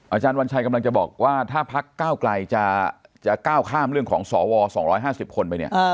อาจารย์วันชัยกำลังจะบอกว่าถ้าพักก้าวไกลจะก้าวข้ามเรื่องของสว๒๕๐คนไปเนี่ย